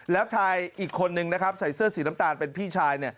แล้วชายอีกคนนึงนะครับใส่เสื้อสีน้ำตาลเป็นพี่ชาย